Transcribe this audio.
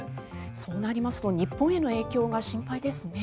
そうなりますと日本への影響が心配ですね。